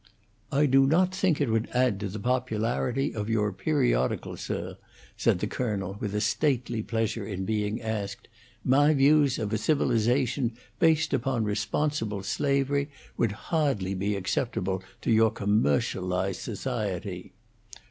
"I do not think it would add to the popularity of your periodical, sir," said the Colonel, with a stately pleasure in being asked. "My views of a civilization based upon responsible slavery would hardly be acceptable to your commercialized society."